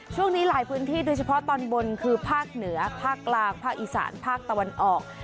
ช่วงนี้หลายพื้นที่โดยเฉพาะตอนบนคือภาคเหนือภาคกลางภาคอีสานภาคตะวันออก